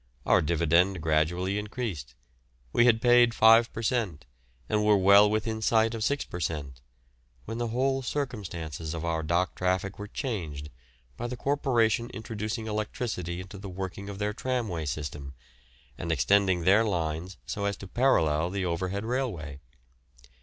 Our dividend gradually increased; we had paid 5 per cent. and were well within sight of 6 per cent., when the whole circumstances of our dock traffic were changed by the Corporation introducing electricity into the working of their tramway system and extending their lines so as to parallel the Overhead Railway.